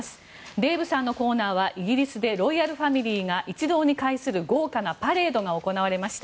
デーブさんのコーナーはイギリスでロイヤルファミリーが一堂に会する豪華なパレードが行われました。